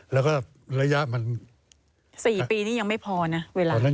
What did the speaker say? แล้วก็ระยะมัน